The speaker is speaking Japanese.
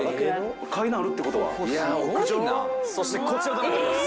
そしてこちらとなっております。